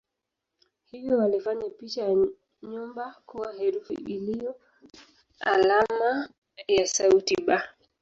Hivyo walifanya picha ya nyumba kuwa herufi iliyo alama ya sauti "b".